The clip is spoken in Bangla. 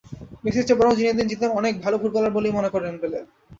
মেসির চেয়ে বরং জিনেদিন জিদান অনেক ভালো ফুটবলার বলেই মনে করেন পেলে।